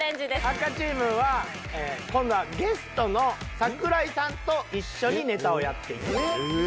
赤チームは今度はゲストの桜井さんと一緒にネタをやっていただきます。